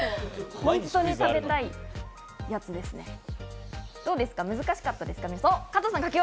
本当に食べたいやつですね。